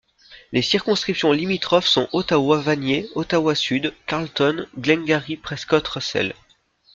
Les circonscriptions limitrophes sont Ottawa—Vanier, Ottawa-Sud, Carleton et Glengarry—Prescott—Russell.